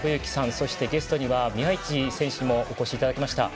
そしてゲストには宮市亮選手にお越しいただきました。